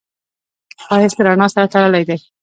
ښایست له رڼا سره تړلی دی